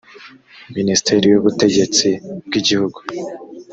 minisiteri y ubutegetsi bw igihugu